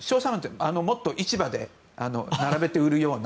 もっと市場に並べて売るような。